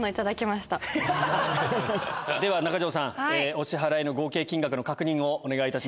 お支払いの合計金額の確認をお願いいたします。